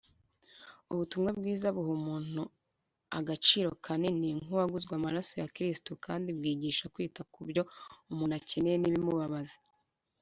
ubutumwa bwiza buha umuntu agaciro kanini nk’uwaguzwe amaraso ya kristo, kandi bwigisha kwita ku byo umuntu akeneye n’ibimubabaza